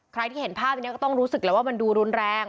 ใครที่เห็นภาพนี้ก็ต้องรู้สึกแล้วว่ามันดูรุนแรง